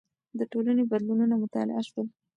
د ټولنې بدلونونه مطالعه شول.